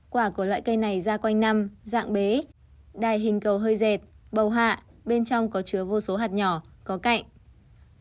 quả của loại cây này ra quanh năm dạng bế đài hình cầu hơi dệt bầu hạ bên trong có chứa vô số hạt nhỏ có cạnh